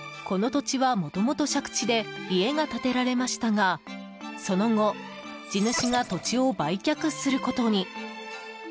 この土地はもともと借地で家が建てられましたがその後、地主が土地を売却することに。